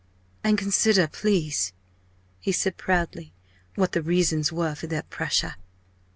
"And consider, please," he said proudly, "what the reasons were for that pressure."